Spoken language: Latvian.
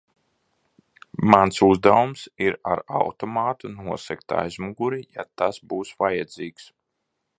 Mans uzdevums ir ar automātu nosegt aizmuguri, ja tas būs vajadzīgs.